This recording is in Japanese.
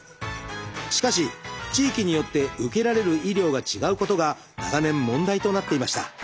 しかし地域によって受けられる医療が違うことが長年問題となっていました。